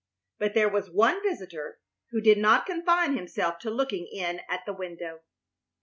But there was one visitor who did not confine himself to looking in at the window.